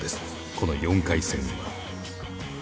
この４回戦は。